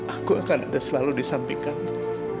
aku akan ada selalu di samping kamu